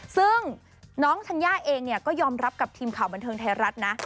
ซึ่งน้องธัญญาเองก็ยอมรับกับทีมข่าวบันเทิงไทยรัฐนะ